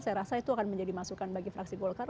saya rasa itu akan menjadi masukan bagi fraksi golkar